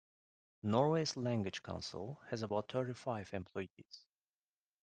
Norway's language council has about thirty-five employees.